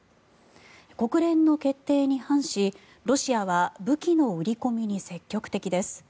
国連の決定に反し、ロシアは武器の売り込みに積極的です。